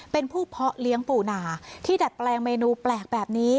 เป็นผู้เพาะเลี้ยงปูนาที่ดัดแปลงเมนูแปลกแบบนี้